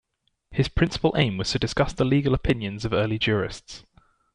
His principal aim was to discuss the legal opinions of early jurists.